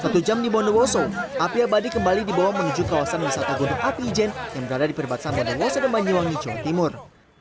satu jam di bondowoso api abadi kembali dibawa menuju kawasan wisata gunung api ijen yang berada di perbatasan bondowoso dan banyuwangi jawa timur